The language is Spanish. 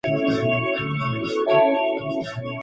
Ahora San Juan es parte de la ciudad.